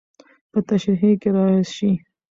په تشريحي کې راشي.